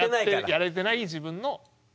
やれてない自分の２０点。